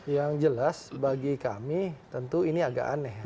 yang jelas bagi kami tentu ini agak aneh